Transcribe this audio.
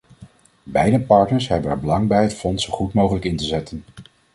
Beide partners hebben er belang bij het fonds zo goed mogelijk in te zetten.